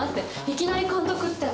いきなり監督って。